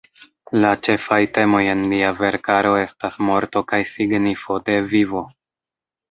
La ĉefaj temoj en lia verkaro estas morto kaj signifo de vivo.